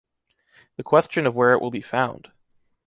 The question of where it will be found.